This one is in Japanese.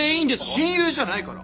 親友じゃないから！